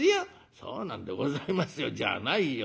「そうなんでございますよじゃないよ。